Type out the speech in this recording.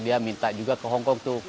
dia minta juga ke hongkong tuh